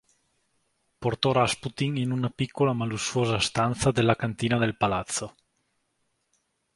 Portò Rasputin in una piccola ma lussuosa stanza della cantina del palazzo.